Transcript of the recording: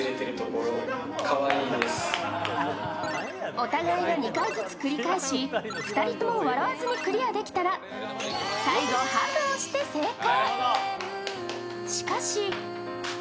お互いが２回ずつ繰り返し２人とも笑わずにクリアできたら最後、ハグをして成功。